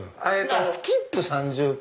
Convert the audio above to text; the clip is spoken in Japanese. スキップ３０歩？